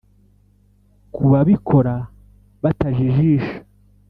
ku babikora batajijisha